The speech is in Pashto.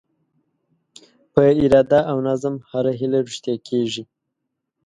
په اراده او نظم هره هیله رښتیا کېږي.